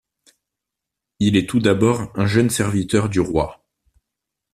Il est tout d’abord un jeune serviteur du roi.